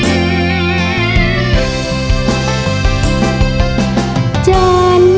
สุดท้าย